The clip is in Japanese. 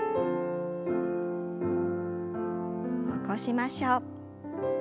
起こしましょう。